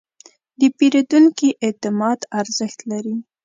د پیرودونکي اعتماد ارزښت لري.